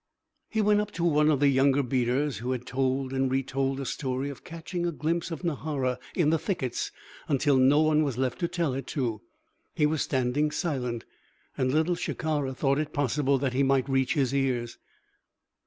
He went up to one of the younger beaters who had told and retold a story of catching a glimpse of Nahara in the thickets until no one was left to tell it to. He was standing silent, and Little Shikara thought it possible that he might reach his ears.